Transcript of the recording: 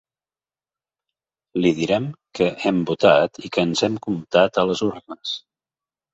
Li direm que hem votat i que ens hem comptat a les urnes.